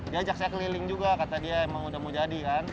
diajak saya keliling juga kata dia emang udah mau jadi kan